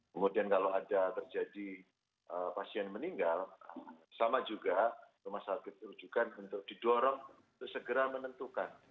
kemudian kalau ada terjadi pasien meninggal sama juga rumah sakit rujukan untuk didorong untuk segera menentukan